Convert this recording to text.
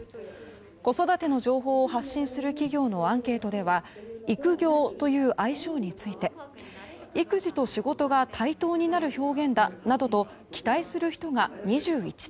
子育ての情報を発信する企業のアンケートでは育業という愛称について育児と仕事が対等になる表現だなどと期待する人が２１％。